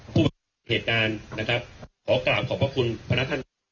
ผู้เหตุการณ์นะครับขอกราบขอบพระคุณพนักท่าน